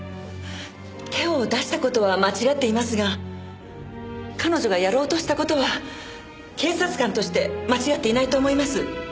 手を出した事は間違っていますが彼女がやろうとした事は警察官として間違っていないと思います。